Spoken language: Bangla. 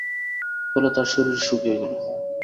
ফলে তার শরীর শুকিয়ে গেল।